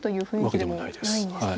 わけでもないです。